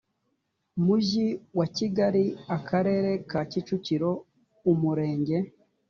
mujyi wa kigali akarere ka kicukiro umurenge